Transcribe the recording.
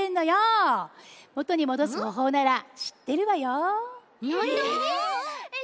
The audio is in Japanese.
もとにもどすほうほうならしってるわよ。